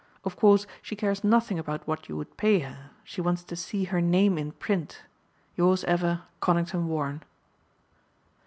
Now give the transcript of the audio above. Of course she cares nothing about what you would pay her. She wants to see her name in print. "Yours ever, "CONINGTON WARREN."